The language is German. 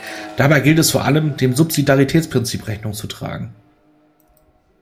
Dabei gilt es vor allem, dem Subsidiaritätsprinzip Rechnung zu tragen.